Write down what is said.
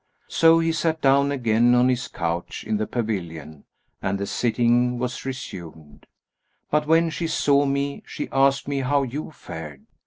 So he sat down again on his couch in the pavilion and the sitting was resumed, but when she saw me, she asked me how you fared.